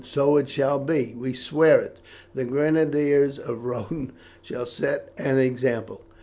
"So it shall be, we swear it. The Grenadiers of the Rhone shall set an example."